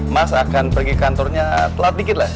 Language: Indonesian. mas akan pergi kantornya telat dikit lah